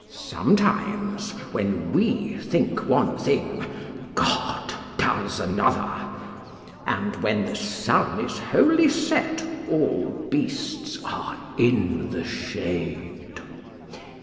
Sometimes, when we think one thing, God does another; and when the sun is wholly set all beasts are in the shade.